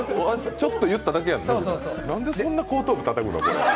ちょっと言っただけやんな、なんでそんな後頭部たたくの？